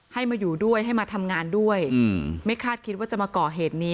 ให้มาอยู่ด้วยให้มาทำงานด้วยไม่คาดคิดว่าจะมาก่อเหตุนี้